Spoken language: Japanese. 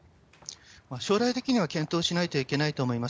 将来的には検討しないといけないと思います。